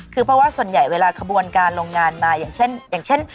คือเพราะว่าส่วนใหญ่เวลาขบวนการลงงานมาอย่างเช่น